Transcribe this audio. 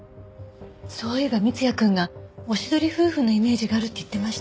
そういえば三ツ矢くんがおしどり夫婦のイメージがあるって言ってました。